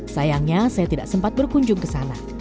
sayangnya saya tidak sempat berkunjung kesana